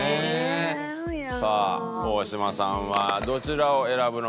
さあ大島さんはどちらを選ぶのか？